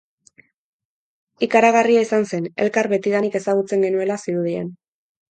Ikaragarria izan zen, elkar betidanik ezagutzen genuela zirudien.